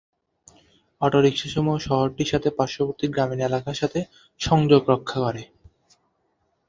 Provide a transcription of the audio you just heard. অটো-রিক্সাসমূহ শহরটির সাথে পার্শ্ববর্তী গ্রামীণ এলাকার সাথে সংযোগ রক্ষা করে।